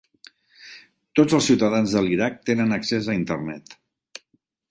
Tots els ciutadans de l'Iraq tenen accés a Internet